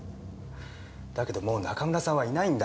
だけどもう中村さんはいないんだ。